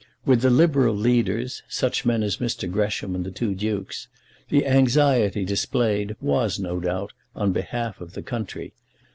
With the Liberal leaders, such men as Mr. Gresham and the two dukes, the anxiety displayed was, no doubt, on behalf of the country.